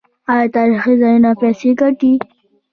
آیا تاریخي ځایونه پیسې ګټي؟